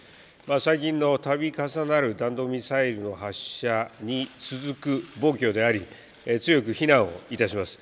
最近のたび重なる弾道ミサイルの発射に続く暴挙であり、強く非難をいたします。